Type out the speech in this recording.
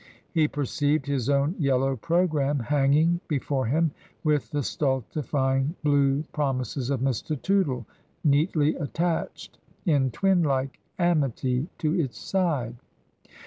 He perceived his own Yellow programme hanging before him with the stultifying Blue promises of Mr. Tootle neatly attached, in twinlike amity to its side.